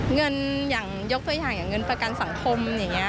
เงินอย่างยกตัวอย่างอย่างเงินประกันสังคม